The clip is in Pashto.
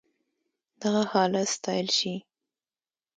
دغه حالت ستايل شي.